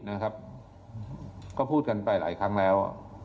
นะครับก็พูดกันไปหลายครั้งแล้ว